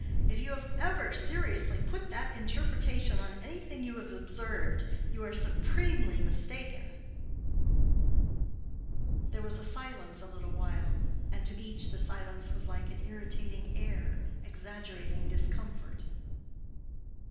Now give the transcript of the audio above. If you have ever seriously put that interpretation on anything you have observed, you are supremely mistaken." There was silence a little while, and to each the silence was like an irritating air, exaggerating discomfort.